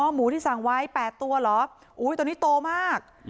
อ๋อหมูที่สั่งไว้๘ตัวเหรออุ๊ยตัวนี้โตมาก